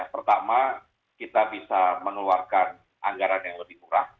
pertama kita bisa mengeluarkan anggaran yang lebih murah